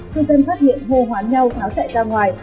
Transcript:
cư dân phát hiện hồ hoán nhau cháo chạy ra ngoài